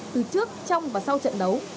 từ trước trong và sau trận đấu